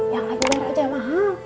yang lagi barat aja mahal